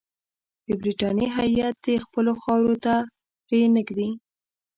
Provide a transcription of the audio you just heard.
د برټانیې هیات دي خپلو خاورې ته پرې نه ږدي.